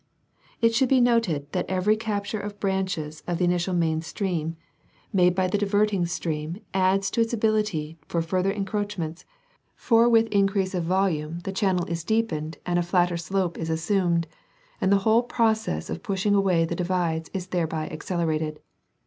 It should be noted that every capture of branches of the initial main stream made The Rivers and Yalleys of Pennsylvania. 215 by the diverting stream adds to its ability for further encroach ments, for with increase of vohime the channel is deepened and a Fig. 19. Fig. 20. flatter slope is assumed, and the whole process of pushing away the divides is thereby accelerated.